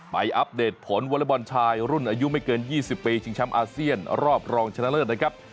อัปเดตผลวอเล็กบอลชายรุ่นอายุไม่เกิน๒๐ปีชิงแชมป์อาเซียนรอบรองชนะเลิศนะครับ